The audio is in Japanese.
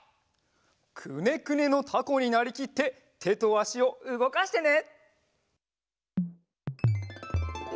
くねくねのタコになりきっててとあしをうごかしてね！